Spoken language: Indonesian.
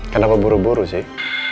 kenapa buru buru sih